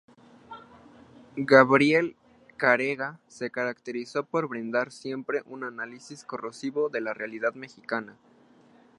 Gabriel Careaga se caracterizó por brindar siempre un análisis corrosivo de la realidad mexicana.